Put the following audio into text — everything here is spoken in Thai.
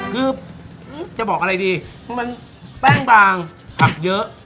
คือจะบอกอะไรดีเพราะมันแป้งบางผักเยอะ